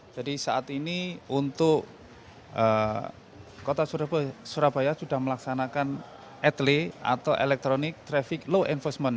jadi saat ini untuk kota surabaya sudah melaksanakan etele atau electronic traffic law enforcement